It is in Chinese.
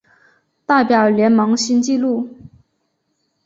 代表联盟新纪录